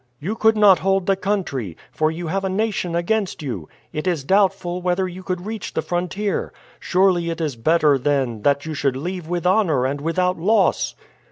You could not hold the country, for you have a nation against you. It is doubtful whether you could reach the frontier. Surely it is better, then, that you should leave with honor and without loss."